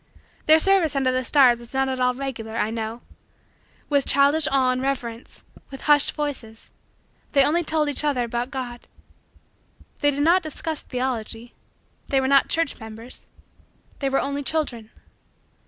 Their service under the stars was not at all regular, I know. With childish awe and reverence with hushed voices they only told each other about God. They did not discuss theology they were not church members they were only children.